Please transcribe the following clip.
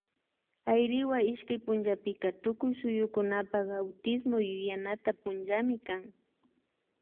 Ayriwa ishkay punllapika tukuy suyukunapak Autismo yuyanata punllami kan